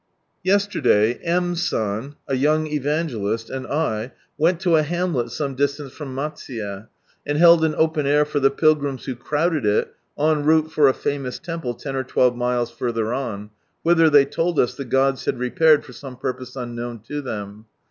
Yesterday M. San, a young evangelist, and I, went to a hamlet some distance from Malsuye, and held an open air for the pilgrims who crowded it, en route for a famous temple ten or twelve miles further on, whither they told us the gods had repaired for some purpose unknoivn to them.